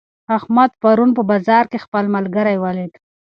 احمد پرون په بازار کې خپل ملګری ولید.